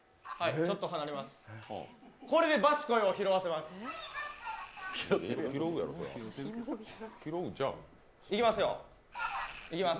ちょっと離れます。